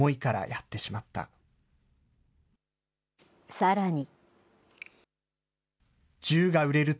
さらに。